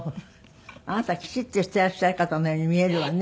あなたきちっとしてらっしゃる方のように見えるわね。